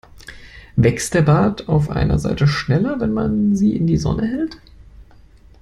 Wächst der Bart auf einer Seite schneller, wenn man sie in die Sonne hält?